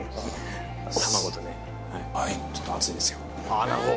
卵とねちょっと熱いですよ。